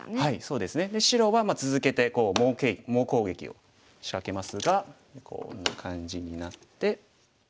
で白は続けて猛攻撃を仕掛けますがこんな感じになって。